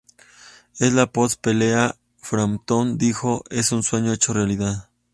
En la post-pelea, Frampton dijo: "Es un sueño hecho realidad.